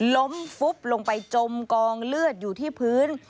ล้มฟุบลงไปจมกองเลือดอยู่ที่พื้น